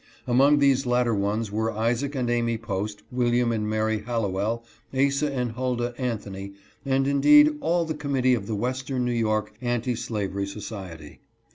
Among these latter ones were Isaac and Amy Post, William and Mary Hallowell, Asa and Hulda An thony, and indeed all the committee of the Western New York Anti Slavery Society.